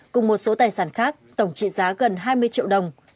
cùng một số tài sản khác tổng trị giá gần hai mươi triệu đồng